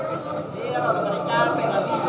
ini kan orang orang yang capek gak bisa